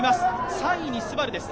３位にＳＵＢＡＲＵです。